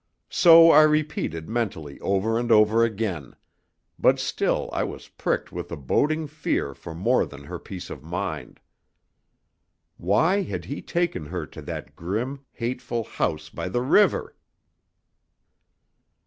So I repeated mentally, over and over again; but still I was pricked with a boding fear for more than her peace of mind. Why had he taken her to that grim, hateful house by the river?